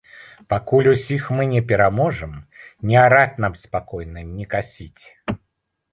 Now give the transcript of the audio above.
Пакуль усіх не пераможам, не араць нам спакойна, не касіць.